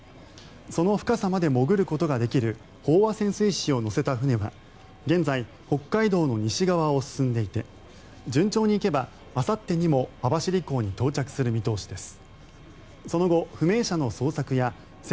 その深さまで潜ることができる飽和潜水士を乗せた船は現在、北海道の西側を進んでいて順調にいけば、あさってにも網走港に到着する見通しです。